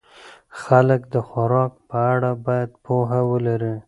خلک د خوراک په اړه باید پوهه ولري.